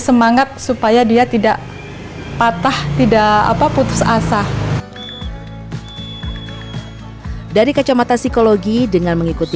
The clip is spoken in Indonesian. semangat supaya dia tidak patah tidak apa putus asa dari kacamata psikologi dengan mengikuti